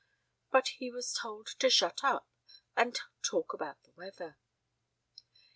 But he was told to shut up and talk about the weather.